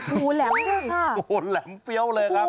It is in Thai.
โอ้โหแหลมด้วยค่ะเหล็มเฟี้ยวเลยครับ